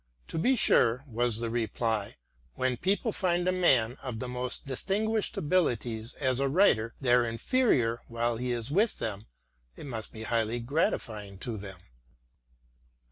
"To be sure, sir," was the reply, " When people find a man of the most distinguished abilities as a writer their inferior while he is with them, it must be highly gratifying to them."